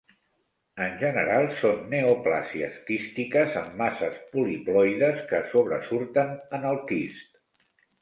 En general, són neoplàsies quístiques amb masses poliploides que sobresurten en el quist.